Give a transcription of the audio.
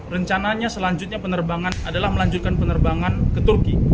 rencananya selanjutnya penerbangan adalah melanjutkan penerbangan ke turki